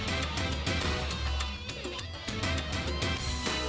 hebat hebat hebat